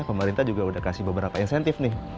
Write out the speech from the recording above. pemerintah juga udah kasih beberapa insentif nih